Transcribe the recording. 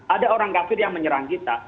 ada orang kafir yang menyerang kita